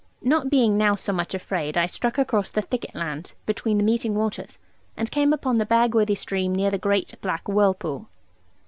Not being now so much afraid, I struck across the thicket land between the meeting waters, and came upon the Bagworthy stream near the great black whirlpool.